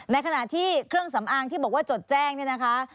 ในขณะที่เครื่องสำอางที่บอกว่าจดแจ้งเนี่ยนะคะ